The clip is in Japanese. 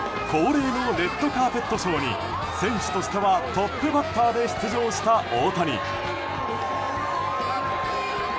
恒例のレッドカーペットショーに選手としてはトップバッターで出場した大谷。